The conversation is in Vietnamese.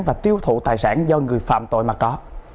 và tiêu thụ tài sản do người phạm tội mà có